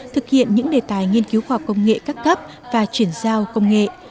thực hiện những đề tài nghiên cứu khoa học công nghệ các cấp và chuyển giao công nghệ